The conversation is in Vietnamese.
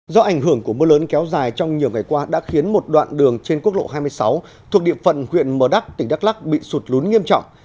do ảnh hưởng của mưa lớn kéo dài trong nhiều ngày qua đã khiến một đoạn đường trên quốc lộ hai mươi sáu thuộc địa phận huyện mờ đắc tỉnh đắk lắc bị sụt lún nghiêm trọng